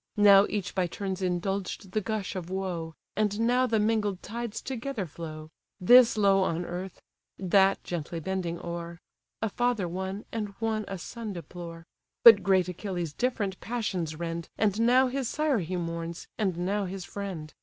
Now each by turns indulged the gush of woe; And now the mingled tides together flow: This low on earth, that gently bending o'er; A father one, and one a son deplore: But great Achilles different passions rend, And now his sire he mourns, and now his friend.